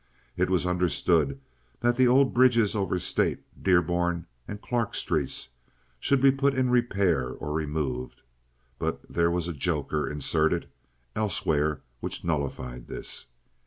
It was understood that the old bridges over State, Dearborn, and Clark streets should be put in repair or removed; but there was "a joker" inserted elsewhere which nullified this.